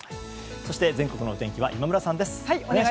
そして全国のお天気は今村さんです。